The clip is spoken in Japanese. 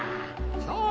そう！